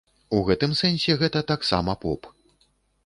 У гэтым сэнсе гэта таксама поп.